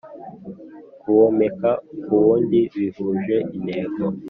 Kuwomeka ku wundi bihuje intego